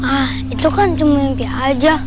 ah itu kan cuma mimpi aja